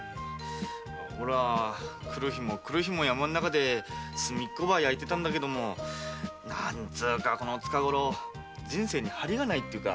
おら来る日も来る日も山の中で炭っこ焼いてたんだけども何つうか近ごろ人生に張りがないっていうか